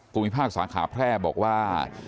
กลุ่มวิทย์ภาคสาขาแพร่บอกว่า